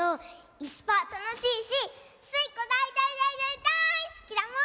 いすパーたのしいしスイ子だいだいだいだいすきだもん！